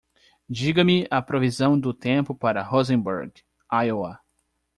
Diga-me a previsão do tempo para Roseburg? Iowa